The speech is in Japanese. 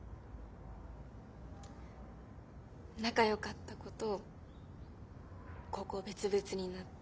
仲よかった子と高校別々になって。